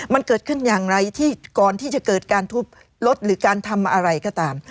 มันเกิดขึ้นอย่างไรที่ก่อนที่จะเกิดการทุบรถหรือการทำอะไรก็ตาม